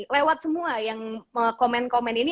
lewat semua yang komen komen ini